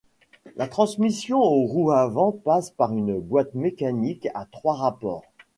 La transmission aux roues avant passe par une boîte mécanique à trois rapports.